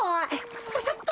ささっと。